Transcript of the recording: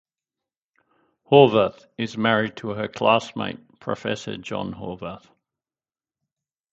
Horvath is married to her classmate Professor John Horvath.